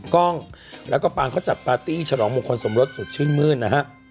กล้องแล้วก็ปางเขาจัดปาร์ตี้ฉลองมงคลสมรสสุดชื่นมื้นนะฮะ